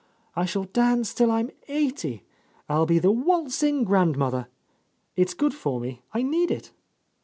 I shall dance till I'm eighty. ... I'll be the waltzing grandmother! It's good for me, I need it."